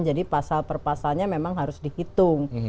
jadi pasal per pasalnya memang harus dihitung